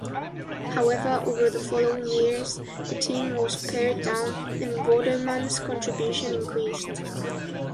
However, over the following years, the team was pared down, and Vorderman's contribution increased.